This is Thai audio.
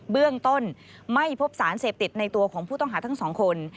เบื้องต้นไม่พบสารเสพติดในตัวของผู้ต้องหาทั้งสองคน